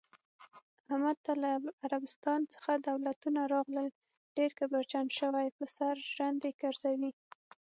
احمد ته له عربستان څخه دولتونه راغلل، ډېر کبرجن شوی، په سر ژرندې ګرځوی.